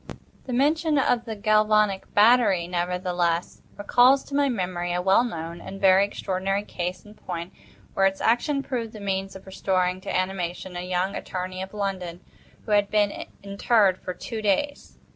The mention of the galvanic battery, nevertheless, recalls to my memory a well known and very extraordinary case in point, where its action proved the means of restoring to animation a young attorney of London, who had been interred for two days.